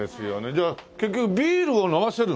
じゃあ結局ビールを飲ませるの？